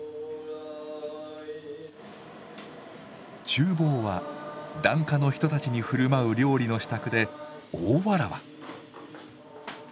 厨房は檀家の人たちに振る舞う料理の支度で大わらわ。